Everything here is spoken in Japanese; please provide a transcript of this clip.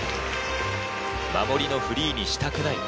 守りのフリーにしたくない